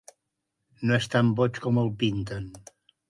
No és tan boig com el pinten.